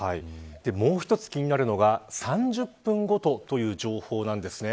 もう一つ、気になるのが３０分ごとという情報です。